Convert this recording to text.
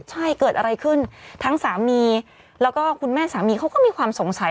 ใช่เกิดอะไรขึ้นทั้งสามีแล้วก็คุณแม่สามีเขาก็มีความสงสัย